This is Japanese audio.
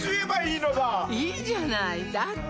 いいじゃないだって